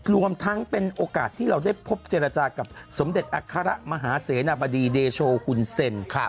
รวมทั้งเป็นโอกาสที่เราได้พบเจรจากับสมเด็จอัคระมหาเสนาบดีเดโชหุ่นเซ็น